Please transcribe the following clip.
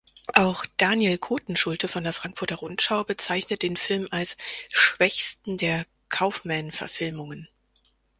Auch Daniel Kothenschulte von der Frankfurter Rundschau bezeichnet den Film als „"schwächsten der Kaufman-Verfilmungen"“.